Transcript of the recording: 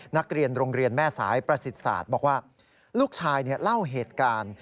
นักเรียนโรงเรียนแม่สายประสิทธิ์ศาสตร์บอกว่าลูกชายเล่าเหตุการณ์